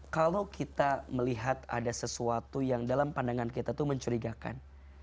kalau kita melihat ada sesuatu yang dalam pandangan kita itu mencurigakan